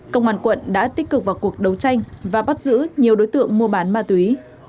công an quận đã tích cực vào cuộc đấu tranh và bắt giữ nhiều đối tượng mua bán ma túy